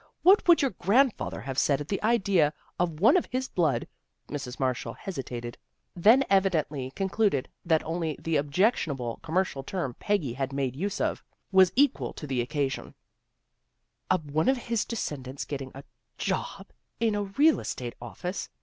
What would your grandfather have said at the idea of one of his blood " Mrs. Marshall hesitated, then evidently concluded that only the objectionable commercial term Peggy had made use of, was equal to the occa sion " one of his descendants getting a job in a real estate office?